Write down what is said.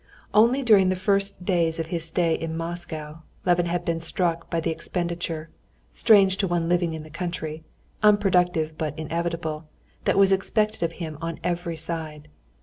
Only during the first days of his stay in Moscow Levin had been struck by the expenditure, strange to one living in the country, unproductive but inevitable, that was expected of him on every side.